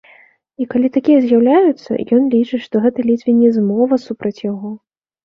І калі такія з'яўляюцца, ён лічыць, што гэта ледзьве не змова супраць яго.